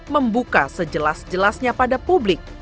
membuka sejelas jelasnya pada publik